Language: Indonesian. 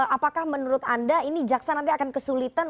apakah menurut anda ini jaksa nanti akan kesulitan